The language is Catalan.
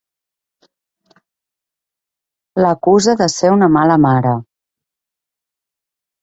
L'acusa de ser una mala mare.